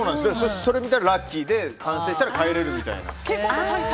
それを見たらラッキーで完成したら帰れるみたいな。